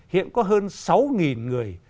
hiện có hơn sáu người